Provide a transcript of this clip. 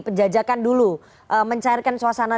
penjajakan dulu mencairkan suasana